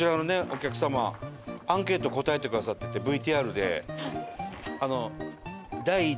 お客様アンケート答えてくださっててＶＴＲで。